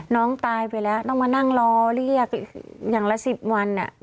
น้องตายไปแล้วต้องมานั่งรอเรียกอย่างละ๑๐วัน